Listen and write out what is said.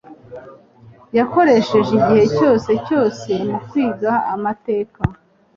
Yakoresheje igihe cye cyose mu kwiga amateka.